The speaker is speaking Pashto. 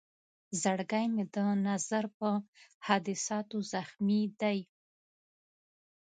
زړګی مې د نظر په حادثاتو زخمي دی.